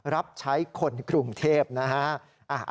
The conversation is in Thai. รับใช้คนกรุงเทพนะฮะ